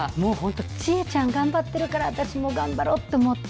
チエちゃん頑張ってるから私も頑張ろうと思った。